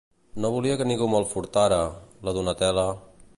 No volia que ningú me'l furtara... la Donatella...